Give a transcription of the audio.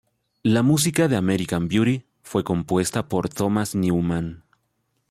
La música de "American Beauty" fue compuesta por Thomas Newman.